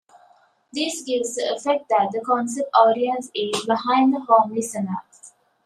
This gives the effect that the concert audience is behind the home listener.